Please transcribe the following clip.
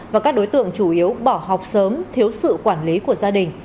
và các đối tượng chủ yếu bỏ học sớm thiếu sự quản lý của gia đình